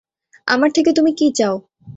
আমার থেকে তুমি কি চাও?